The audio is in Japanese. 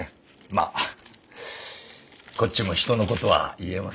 まあこっちも人の事は言えませんけど。